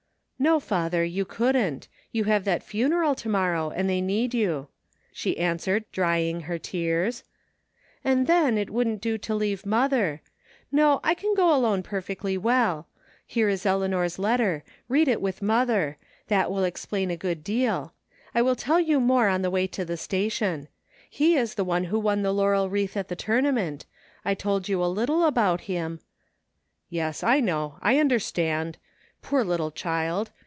" No, father, you couldn't You have that funeral to morrow, and they need you," she answered, drying her tears, " and then, it wouldn't do to leave mother. No, I can go alone perfectly well. Here is Eleanor's letter. Read it with mother. That will explain a good deal. I will tell you more on the way to the station. He is the one who won the laurel wreath at the tourna ment. I told you a little about him ^"" Yes, I know. I understand ! Poor little child